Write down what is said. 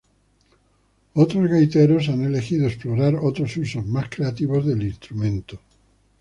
Otros gaiteros han elegido explorar otros usos más creativos del instrumento.